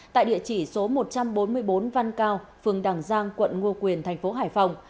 tại địa chỉ số một trăm bốn mươi bốn văn cao phường đằng giang quận ngo quyền thành phố hải phòng